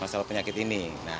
masalah penyakit ini